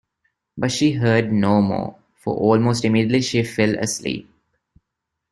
But she heard no more, for almost immediately she fell asleep.